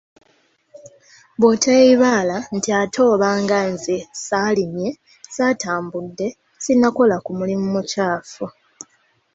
Bw'oteeyibaala nti ate obanga nze saalimye, saatambudde, sinnakola ku mulimu mukyafu.